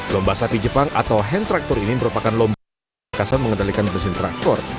lomba sapi jepang atau hand traktor ini merupakan lomba yang berkasa mengendalikan mesin traktor